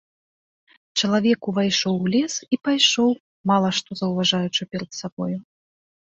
Чалавек увайшоў у лес і пайшоў, мала што заўважаючы перад сабою.